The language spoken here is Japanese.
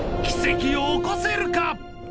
奇跡を起こせるか？